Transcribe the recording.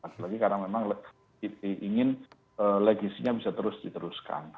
lagi lagi karena memang ingin legisinya bisa terus diteruskan